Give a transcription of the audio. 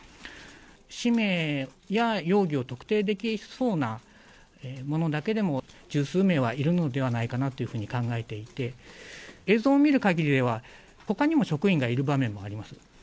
氏名や容疑を特定できそうな者だけでも、十数名はいるのではないかなというふうに考えていて、映像を見るかぎりでは、ほかにも職員がいる場面もあります。